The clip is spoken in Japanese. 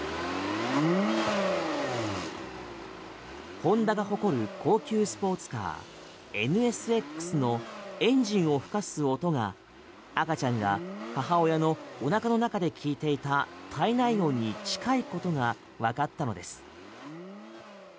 ホンダが誇る高級スポーツカーＮＳＸのエンジンを吹かす音が赤ちゃんが母親のおなかの中で聞いていた胎内音に近いことがわかったのです。